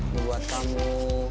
ini buat kamu